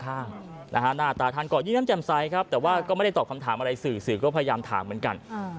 หน้าตาท่านก็ยิ้มน้ำแจ่มใสครับแต่ว่าก็ไม่ได้ตอบคำถามอะไรสื่อสื่อก็พยายามถามเหมือนกัน